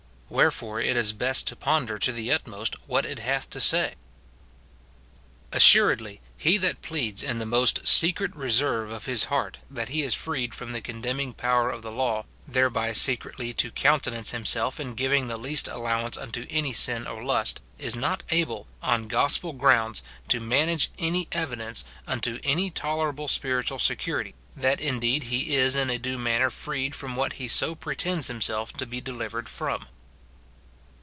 Wherefore it is best to ponder to the utmost what it hath to say. Assuredly, he that pleads in the most secret reserve of his heart that he is freed from the condemning power of the law, thereby secretly to countenance himself in giving the least allowance unto any sin or lust, is not able, on gospel grounds, to manage any evidence, unto any tolerable spiritual security, that indeed he is in a due manner freed from what he so pretends himself to be delivered from.